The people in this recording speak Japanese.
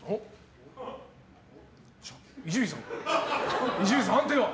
伊集院さん、判定は？